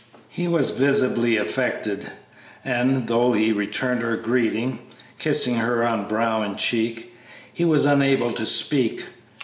He was visibly affected, and though he returned her greeting, kissing her on brow and cheek, he was unable to speak.